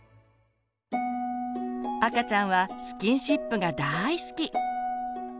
赤ちゃんはスキンシップが大好き。